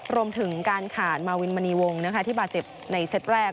รวมถึงการขาดมาวินมณีวงที่บาดเจ็บในเซตแรก